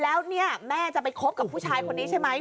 แล้วเนี่ยแม่จะไปคบกับผู้ชายคนนี้ใช่ไหม